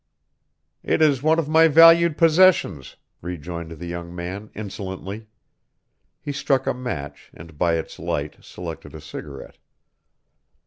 "It is one of my valued possessions," rejoined the young man, insolently. He struck a match, and by its light selected a cigarette.